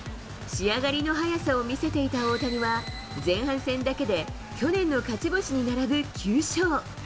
仕上がりの早さを見せていた大谷は、前半戦だけで去年の勝ち星に並ぶ９勝。